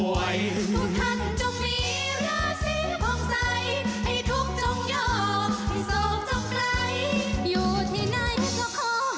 ทุกท่านจงมีราศีภองใสให้ทุกข์จงเยาะทุกข์จงไกล